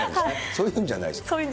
そういうんじゃないです。